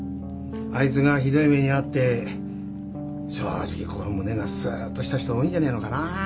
あいつがひどい目に遭って正直こう胸がスッとした人多いんじゃねえのかな。